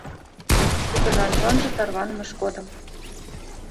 Кугыжан чонжо тарванымыж годым